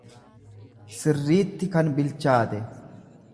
sirriitti kan bilchaate.